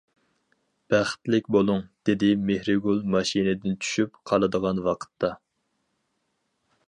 -بەختلىك بولۇڭ-دېدى مېھرىگۈل ماشىنىدىن چۈشۈپ قالىدىغان ۋاقىتتا.